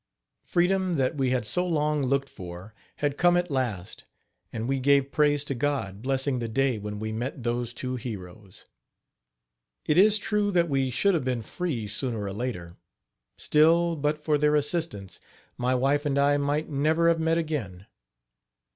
Freedom, that we had so long looked for, had come at last; and we gave praise to God, blessing the day when we met those two heroes. It is true that we should have been free, sooner or later; still, but for their assistance, my wife and I might never have met again.